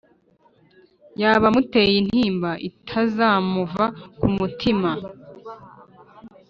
yaba amuteye intimba itazamuva ku mutima n